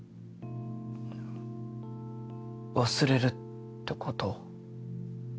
忘れるってこと？